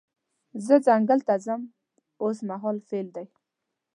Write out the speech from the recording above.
زه ځنګل ته ځم اوس مهال فعل دی.